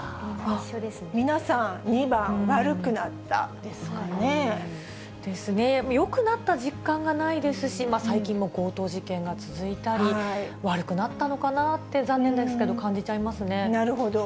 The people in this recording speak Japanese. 皆さん２番、ですね、よくなった実感がないですし、最近も強盗事件が続いたり、悪くなったのかなって、なるほど。